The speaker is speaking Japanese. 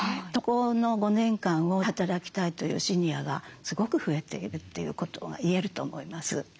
そこの５年間を働きたいというシニアがすごく増えているということが言えると思います。